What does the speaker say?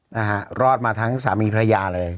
นะฮะรอดมาทั้งสามีภรรยาเลย